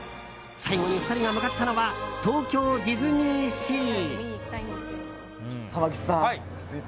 最後に２人が向かったのは東京ディズニーシー。